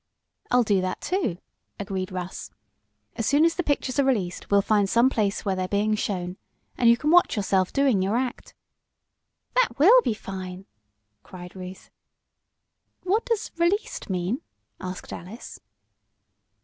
"I'll do that, too," agreed Russ. "As soon as the pictures are released we'll find some place where they are being shown, and you can watch yourself doing your act." "That will be fine!" cried Ruth. "What does 'released' mean?" asked Alice.